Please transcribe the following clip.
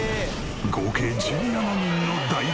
合計１７人の大家族。